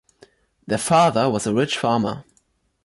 Their father was a rich farmer.